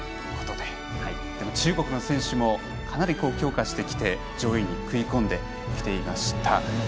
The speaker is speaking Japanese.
でも中国の選手もかなり強化してきて上位に食い込んできていました。